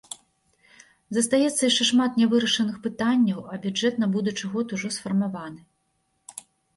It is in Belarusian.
Застаецца яшчэ шмат нявырашаных пытанняў, а бюджэт на будучы год ужо сфармаваны.